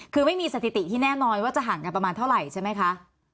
คือไม่มีสถิติที่แน่นอนว่าจะห่างกันประมาณเท่าไหร่ใช่ไหมคะ